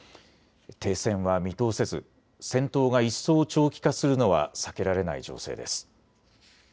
停戦は見通せず戦闘が一層長期化するのは避けられない情勢です。